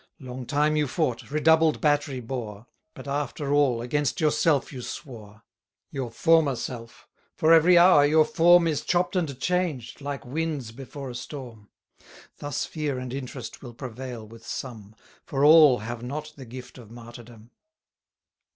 Long time you fought, redoubled battery bore, But, after all, against yourself you swore; Your former self: for every hour your form Is chopp'd and changed, like winds before a storm. Thus fear and interest will prevail with some; For all have not the gift of martyrdom.